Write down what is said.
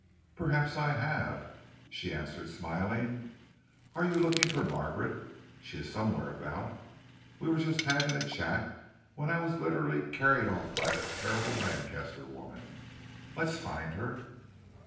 "Perhaps I have," she answered, smiling. "Are you looking for Margaret? She is somewhere about. We were just having a chat when I was literally carried off by that terrible Lanchester woman. Let's find her."